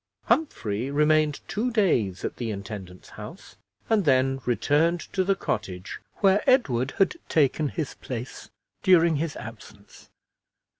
Humphrey remained two days at the intendant's house, and then returned to the cottage, where Edward had taken his place during his absence.